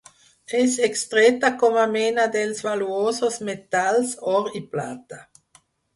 És extreta com a mena dels valuosos metalls or i plata.